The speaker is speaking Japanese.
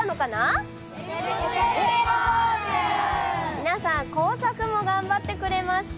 皆さん、工作も頑張ってくれました。